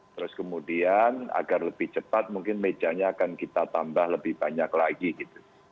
terus kemudian agar lebih cepat mungkin mejanya akan kita tambah lebih banyak lagi gitu